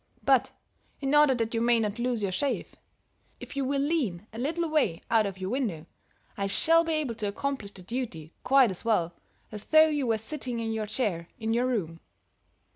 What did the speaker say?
But, in order that you may not lose your shave, if you will lean a little way out of your window, I shall be able to accomplish the duty quite as well as though you were sitting in your chair in your room.'